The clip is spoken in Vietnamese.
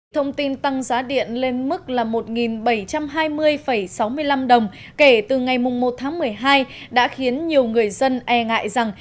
thông tin tăng giá điện lên mức là một bảy trăm hai mươi sáu mươi năm đồng kể từ ngày một tháng một mươi hai đã khiến nhiều người dân e ngại rằng